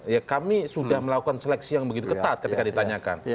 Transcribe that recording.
ya kami sudah melakukan seleksi yang begitu ketat ketika ditanyakan